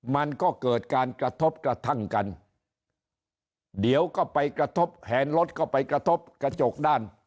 มันก็เกิดการกระทบกระทั่งกันเดี๋ยวก็ไปกระทบแขนรถก็ไปกระทบกระจกด้าน